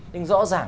nhưng rõ ràng